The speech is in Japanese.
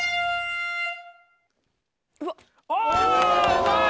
うまい！